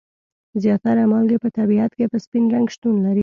زیاتره مالګې په طبیعت کې په سپین رنګ شتون لري.